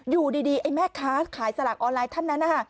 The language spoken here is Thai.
อยู่ดีไอ้แม่ค้าขายสลากออนไลน์ท่านนั้น